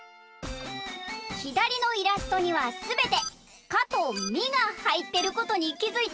ひだりのイラストにはすべて「か」と「み」がはいってることにきづいた？